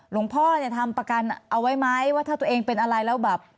หลวงพ่อเนี่ยทำประกันเอาไว้ไหมว่าถ้าตัวเองเป็นอะไรแล้วแบบ